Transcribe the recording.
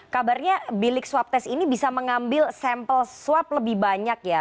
kabarnya bilik swab test ini bisa mengambil sampel swab lebih banyak ya